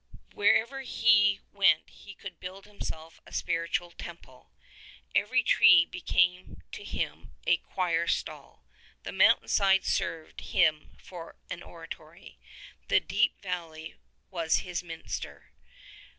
Wherever he went he could build himself a spiritual temple. Every tree became to him a choir stall; the mountain side served him for an oratory ; the deep valley was his minster.